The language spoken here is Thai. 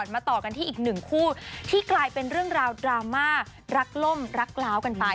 มาต่อกันที่อีกหนึ่งคู่ที่กลายเป็นเรื่องราวดราม่ารักล่มรักล้าวกันไป